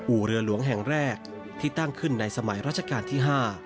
เรือหลวงแห่งแรกที่ตั้งขึ้นในสมัยราชการที่๕